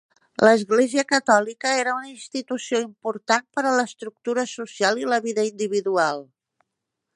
L'Església Catòlica era una institució important per a l'estructura social i a la vida individual.